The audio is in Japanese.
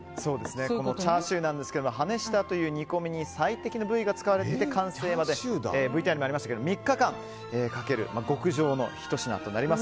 チャーシューなんですけどもハネシタという煮込みに最適な部位が使われていて完成まで３日間かける極上のひと品となります。